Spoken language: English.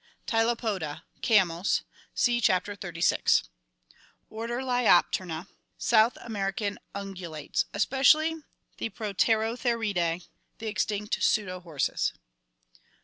Tylopoda. Camels (see Chapter XXXVI). Order Litopterna. South American ungulates. Especially the Proterotheriidae, the extinct "pseudo horses."